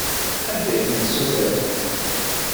Anda ay tent-tessutremt?